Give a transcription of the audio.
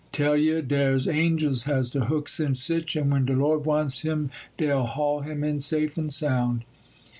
Tell ye, der's angels has der hooks in sich, and when de Lord wants him dey'll haul him in safe and sound.